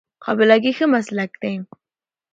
قابله ګي ښه مسلک دی